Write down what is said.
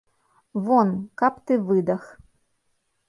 Вон, каб ты выдах!